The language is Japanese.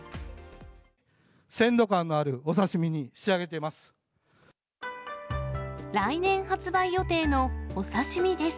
鮮度感のあるお刺身に仕上げています。